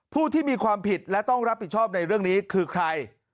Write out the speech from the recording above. ผู้ที่มีความผิดและต้องรับผิดชอบในเรื่องนี้คือใคร